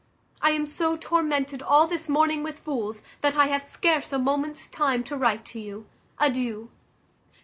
I am so tormented all this morning with fools, that I have scarce a moment's time to write to you. Adieu.